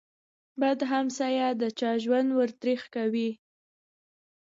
بد همسایه د چا ژوند ور تريخ کوي.